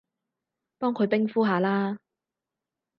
幫佢冰敷下啦